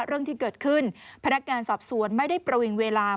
เรื่องที่เกิดขึ้นพนักงานสอบสวนไม่ได้ประวิงเวลา